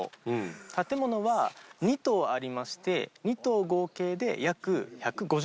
建物は２棟ありまして２棟合計で約１５０坪。